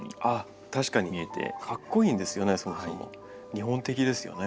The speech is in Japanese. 日本的ですよね。